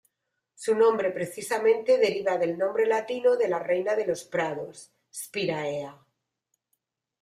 Su nombre precisamente deriva del nombre latino de la reina de los prados: "Spiraea".